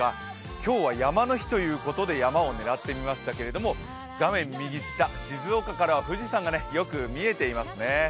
今日は山の日ということで山を狙ってみましたけど、画面右下、静岡からは富士山がよく見えていますね。